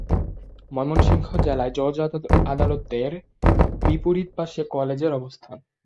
ময়মনসিংহ জেলা জজ আদালতের বিপরীত পাশে কলেজের অবস্থান।